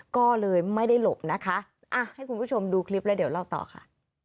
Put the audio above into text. ก็เลยไม่ได้หลบนะคะให้คุณผู้ชมดูคลิปแล้วเดี๋ยวเล่าต่อค่ะ